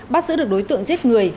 bắt giữ được đối tượng giết người